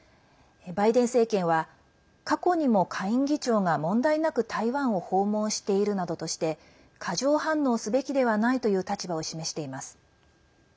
バイデン政権は過去にも下院議長が問題なく台湾を訪問しているなどとして過剰反応すべきではないという立場を示しています。